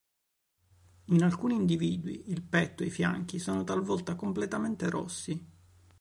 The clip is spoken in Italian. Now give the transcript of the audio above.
In alcuni individui, il petto e i fianchi sono talvolta completamente rossi.